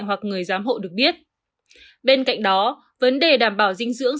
hoặc người giám hộ được biết bên cạnh đó vấn đề đảm bảo dinh dưỡng